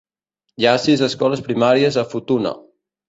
Hi ha sis escoles primàries a Futuna.